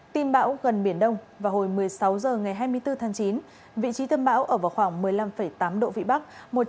tin bão gần biển đông vào hồi một mươi sáu h ngày hai mươi bốn tháng chín vị trí tâm bão ở vào khoảng một mươi năm tám độ vĩ bắc